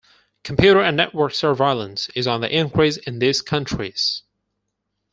Computer and network surveillance is on the increase in these countries.